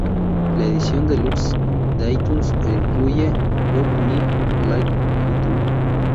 La edición Deluxe de iTunes incluye Love Me Like You Do.